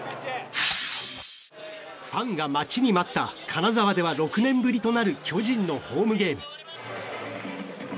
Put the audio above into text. ファンが待ちに待った金沢では６年ぶりとなる巨人のホームゲーム。